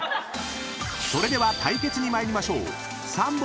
［それでは対決に参りましょう］